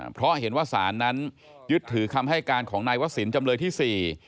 เพราะเห็นว่าศาลนั้นยึดถือคำให้การของนายวศิลป์จำเลยที่สี่